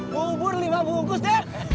bubur lima bungkus deh